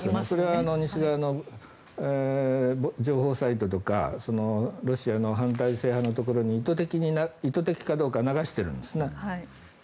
それは西側の情報サイトとかロシアの反体制派のところに意図的かどうか流しているんですね。